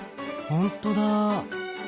ほんとだ。